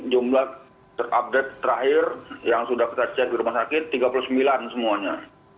jumlah terupdate terakhir yang sudah kita cek di rumah sakit tiga puluh sembilan semuanya